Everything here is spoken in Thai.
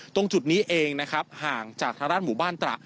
ตรงจุดนี้เองนะครับห่างจากทางด้านหมู่บ้านตระ